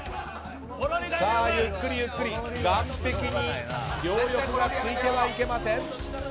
ゆっくりゆっくり岸壁に両翼がついてはいけません。